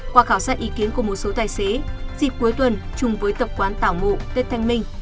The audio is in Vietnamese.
qua khảo sát ý kiến của một số tài xế dịp cuối tuần chung với tập quán tảo mộ tết thanh minh